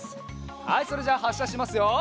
はいそれじゃあはっしゃしますよ。